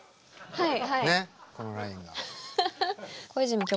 はい。